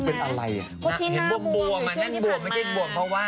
เพราะที่หน้าบวมอยู่ช่วงที่ทำมา